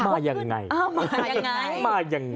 มายังไงเอามายังไงมายังไง